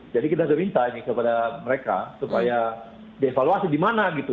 jadi kita sudah minta ini kepada mereka supaya dievaluasi di mana gitu